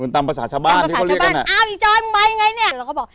ตามภาษาชะบานที่เขาเรียกกันเนี่ยอ้าวอีจอยมึงไปไงเนี่ยเราก็บอก